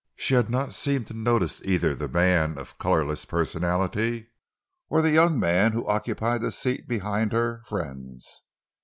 She had not seemed to notice either the man of colorless personality or the young man who occupied the seat behind her friends.